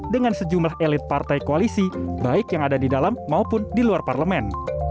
dengan sejumlah elit partai koalisi baik yang ada di dalam maupun di luar parlemen